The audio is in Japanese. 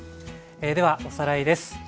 ではおさらいです。